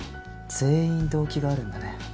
全員動機があるんだね。